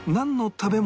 食べ物。